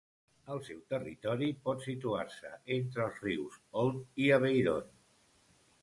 El seu territori pot situar-se entre els rius Òlt i Aveyron.